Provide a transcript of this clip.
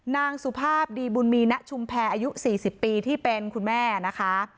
นางสุภาพดีบุญมีณชุมแพรอายุ๔๐ปีที่เป็นคุณแม่นะคะ